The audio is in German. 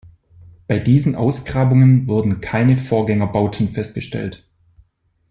Bei diesen Ausgrabungen wurden keine Vorgängerbauten festgestellt.